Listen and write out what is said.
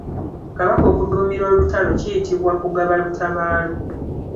Kabaka okuduumira olutalo kiyitibwa kugaba lutabaalo.